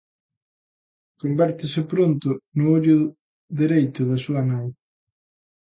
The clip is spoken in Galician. Convertese pronto no ollo dereito da súa nai.